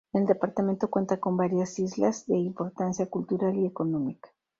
El departamento cuenta con varias islas de importancia cultural y económica.